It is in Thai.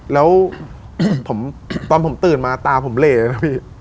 แล้วตอนผมตื่นมาตาผมเหล่เลยนะพี่